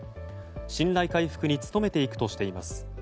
信頼回復に努めていくとしています。